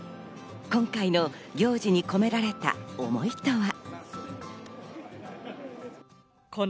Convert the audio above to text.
今回の行事に込められた思いとは？